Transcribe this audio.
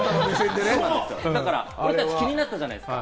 俺たち気になったじゃないですか。